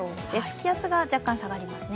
気圧が若干下がりますね。